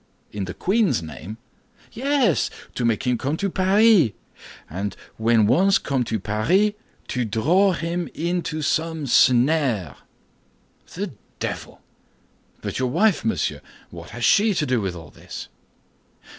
"In the queen's name?" "Yes, to make him come to Paris; and when once come to Paris, to draw him into some snare." "The devil! But your wife, monsieur, what has she to do with all this?"